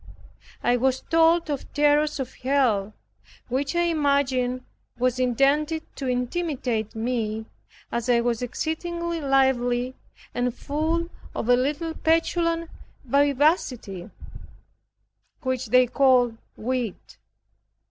I was told of terrors of Hell which I imagined was intended to intimidate me as I was exceedingly lively, and full of a little petulant vivacity which they called wit.